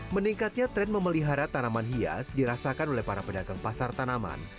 meningkatnya tren memelihara tanaman hias dirasakan oleh para pedagang pasar tanaman